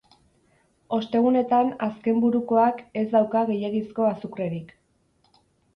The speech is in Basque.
Ostegunetan azkenburukoak ez dauka gehiegizko azukrerik.